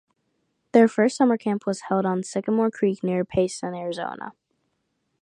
Their first summer camp was held on Sycamore Creek near Payson, Arizona.